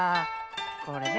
これね。